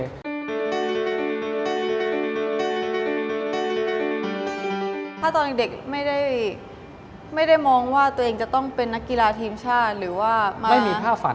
ถ้าตอนเด็กไม่ได้มองว่าตัวเองจะต้องเป็นนักกีฬาทีมชาติ